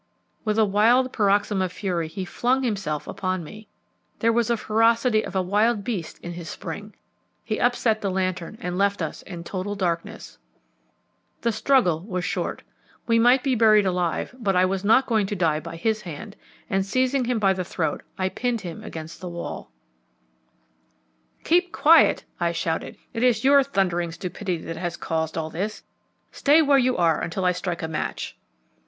With a wild paroxysm of fury he flung himself upon me. There was the ferocity of a wild beast in his spring. He upset the lantern and left us in total darkness. The struggle was short. We might be buried alive, but I was not going to die by his hand, and seizing him by the throat I pinned him against the wall. [Illustration: "It had shut with a loud clang." A Master of Mysteries. Page 86] "Keep quiet," I shouted. "It is your thundering stupidity that has caused all this. Stay where you are until I strike a match."